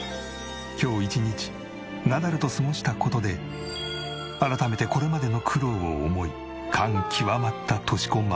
今日一日ナダルと過ごした事で改めてこれまでの苦労を思い感極まった敏子ママ。